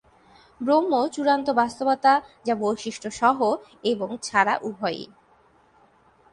ব্রহ্ম, চূড়ান্ত বাস্তবতা, যা বৈশিষ্ট্য সহ এবং ছাড়া উভয়ই।